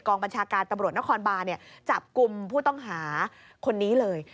บัญชาการตำรวจนครบานจับกลุ่มผู้ต้องหาคนนี้เลย